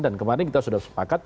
kemarin kita sudah sepakat